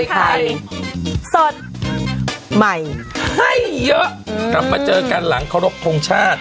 กลับมาเจอกันหลังเคราะห์ลบโครงชาติ